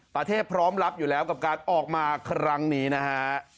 พร้อมรับอยู่แล้วกับการออกมาครั้งนี้นะฮะ